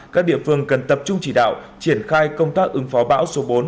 các địa phương cần tập trung chỉ đạo triển khai công tác ứng phó bão số bốn